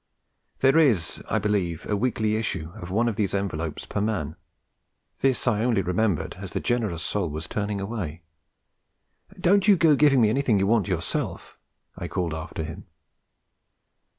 There is, I believe, a weekly issue of one of these envelopes per man. This I only remembered as the generous soul was turning away. 'Don't you go giving me anything you want yourself!' I called after him.